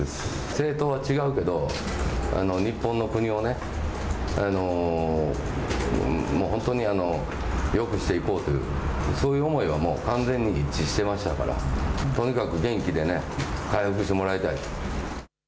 政党は違うけど日本の国を本当によくしていこうというそういう思いは完全に一致していましたから、とにかく元気でね、回復してもらいたい。